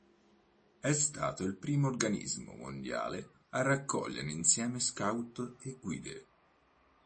È stato il primo organismo mondiale a raccogliere insieme scout e guide.